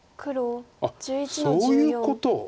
あっそういうこと。